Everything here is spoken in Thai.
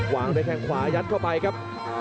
วางไปแทงขวายัดเข้าไปครับ